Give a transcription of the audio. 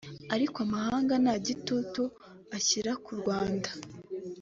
ariko amahanga nta gitutu ashyira ku Rwanda”